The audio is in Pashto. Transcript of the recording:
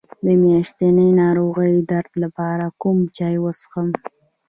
د میاشتنۍ ناروغۍ درد لپاره کوم چای وڅښم؟